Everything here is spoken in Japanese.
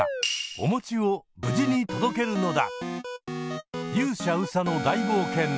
おもちを無事に届けるのだ！